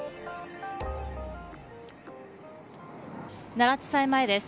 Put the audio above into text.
奈良地裁前です。